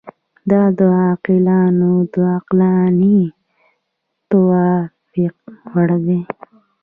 دا د عاقلانو د عقلاني توافق وړ دي.